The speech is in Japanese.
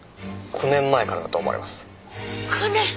９年？